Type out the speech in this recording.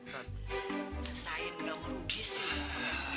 rasain gak merugi sih